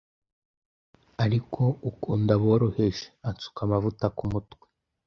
Ariko ukunda aboroheje ansuka amavuta kumutwe